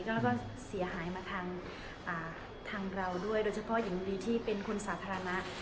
แล้วก็เสียหายมาทางเราด้วยโดยเฉพาะหญิงดีที่เป็นคนสาธารณะ